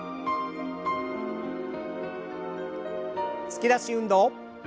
突き出し運動。